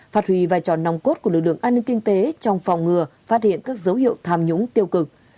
phát huy vai trò nòng cốt của lực lượng an ninh kinh tế trong phòng ngừa phát hiện các dấu hiệu tham nhũng tiêu cực